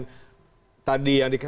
tadi yang disebutkan yang di reverse